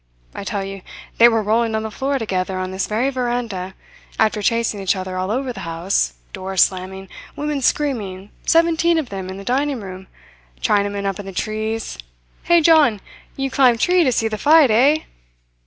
I tell you, they were rolling on the floor together on this very veranda, after chasing each other all over the house, doors slamming, women screaming, seventeen of them, in the dining room; Chinamen up the trees. Hey, John? You climb tree to see the fight, eh?"